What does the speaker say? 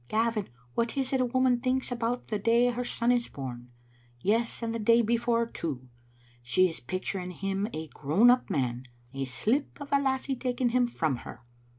Gavin, what is it a woman thinks about the day her son is bom? yes, and, the day before too? She is picturing him a grown man, and a slip of a lassie taking him from her.